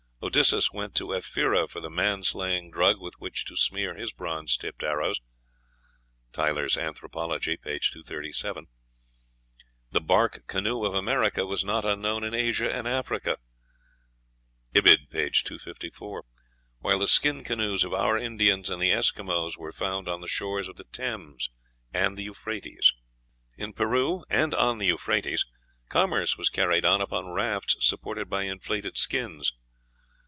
Odysseus went to Ephyra for the man slaying drug with which to smear his bronze tipped arrows. (Tylor's "Anthropology," p. 237.) "The bark canoe of America was not unknown in Asia and Africa" (Ibid., p. 254), while the skin canoes of our Indians and the Esquimaux were found on the shores of the Thames and the Euphrates. In Peru and on the Euphrates commerce was carried on upon rafts supported by inflated skins.